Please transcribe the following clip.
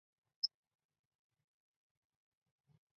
父亲周书府是江苏盐城人。